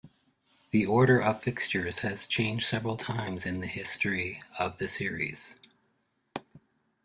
The order of fixtures has changed several times in the history of the series.